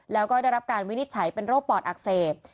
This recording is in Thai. แล้วก็ได้รับการวินิจฉัยเป็นโรคปอดอักเสบ